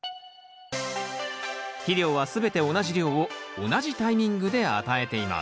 肥料はすべて同じ量を同じタイミングで与えています。